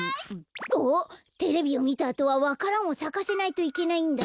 あっテレビをみたあとはわか蘭をさかせないといけないんだった。